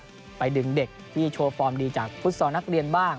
มามืดนะครับไปดึงเด็กที่โชว์ฟอร์มดีจากพุทธสอนักเรียนบ้าง